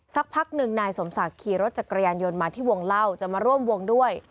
สักพักหนึ่งนายสมศักดิ์ขี่รถจักรยานยนต์มาที่วงเล่าจะมาร่วมวงด้วย